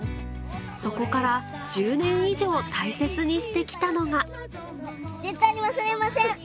そこから１０年以上大切にして来たのが絶対に忘れません。